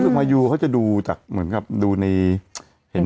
ผมว่ามาจากตันนี้แหละ